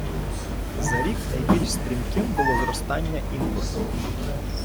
за рік найбільш стрімким було зростання імпорту